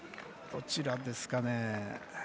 どちらですかね。